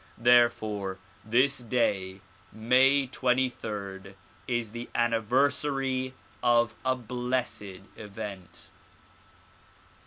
Therefore this day May 23 is the anniversary of a blessed event.